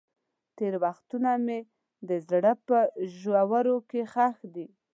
تېر وختونه مې د زړه په ژورو کې ښخ دي.